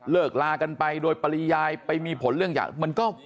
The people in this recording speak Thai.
ลากันไปโดยปริยายไปมีผลเรื่องอย่างมันก็